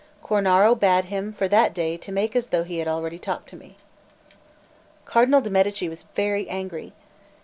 Cornaro bade him for that day make as though he had already talked with me. Cardinal de' Medici was very angry.